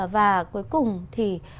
và cuối cùng thì